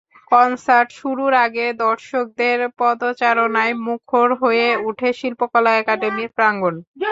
Concert শুরুর আগেই দর্শকদের পদচারণায় মুখর হয়ে ওঠে শিল্পকলা একাডেমি প্রাঙ্গণ।